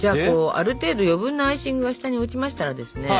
ある程度余分なアイシングが下に落ちましたらですね